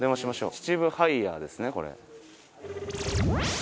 秩父ハイヤーですねこれ。